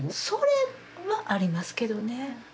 それもありますけどね。